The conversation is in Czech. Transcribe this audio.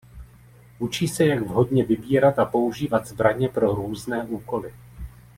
Učí se jak vhodně vybírat a používat zbraně pro různé úkoly.